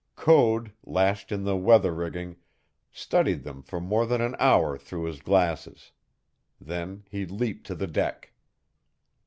Code, lashed in the weather rigging, studied them for more than an hour through his glasses. Then he leaped to the deck.